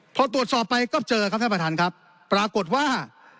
พอตรวจสอบไปก็เจอครับท่านประธานครับปรากฏว่า